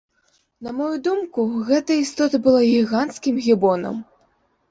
На маю думку гэтая істота была гіганцкім гібонам.